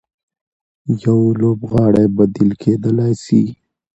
يو لوبغاړی بديل کېدلای سي.